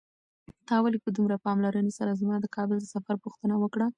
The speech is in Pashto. تا ولې په دومره پاملرنې سره زما د کابل د سفر پوښتنه وکړه؟